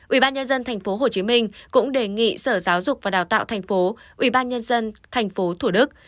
ủy ban nhân dân tp hcm cũng đề nghị sở giáo dục và đào tạo tp hcm ủy ban nhân dân tp thủ đức